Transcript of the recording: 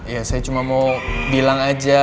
ya saya cuma mau bilang aja